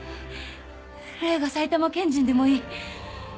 麗が埼玉県人でもいい。